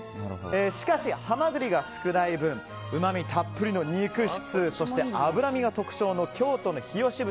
しかし、ハマグリが少ない分うまみたっぷりの肉質そして脂身が特徴の京都の日吉豚。